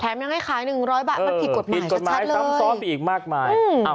แถมยังให้ขายหนึ่งร้อยบาทเออปิดกฎหมายชัดชัดเลยปิดกฎหมายซ้ำซ้อมอีกมากมายอืม